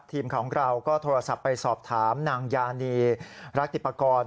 ทีมข่าวของเราก็โทรศัพท์ไปสอบถามนางยานีรัติปากร